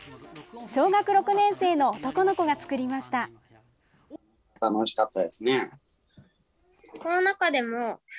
小学６年生の男の子が作りました。